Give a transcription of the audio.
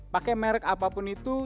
pakai merek apapun itu